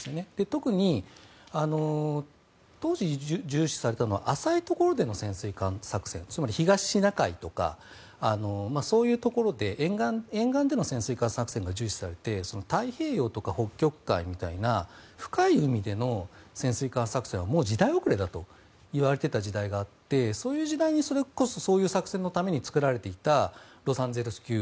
特に当時重視されたのは浅いところでの潜水艦作戦つまり東シナ海とかそういうところで沿岸での潜水艦作戦が重視されて太平洋とか北極海みたいな深い海での潜水艦作戦はもう時代遅れだといわれていた時代があってそういう時代にそれこそそういう作戦のために造られていたロサンゼルス級。